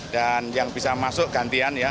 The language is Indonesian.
dan yang bisa masuk gantian ya